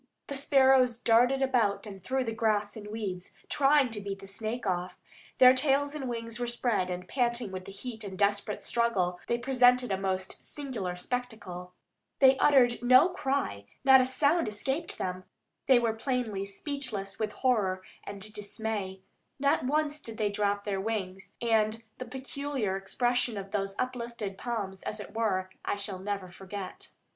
The sparrows darted about and through the grass and weeds, trying to beat the snake off. Their tails and wings were spread, and, panting with the heat and the desperate struggle, they presented a most singular spectacle. They uttered no cry, not a sound escaped them; they were plainly speechless with horror and dismay. Not once did they drop their wings, and the peculiar expression of those uplifted palms, as it were, I shall never forget.